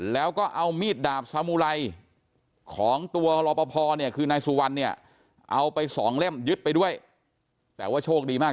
แล้วก็เอามีดดาบสมุไลของตัวรอปภได้ส่งเล่มยึดไปด้วยแต่ว่าโชคดีมาก